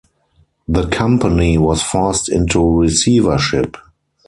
The company was forced into receivership.